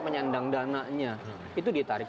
penyandang dananya itu ditarik